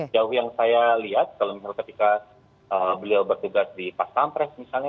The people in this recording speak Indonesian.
jauh yang saya lihat kalau misalnya ketika beliau bertugas di pas pampres misalnya